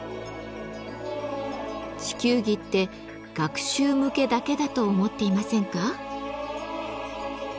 地球儀って学習向けだけだと思っていませんか？